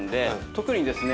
特にですね